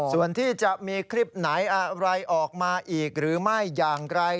ส่วนที่จะมีคลิปไหนอะไรออกมาอีกหรือไม่อย่างไร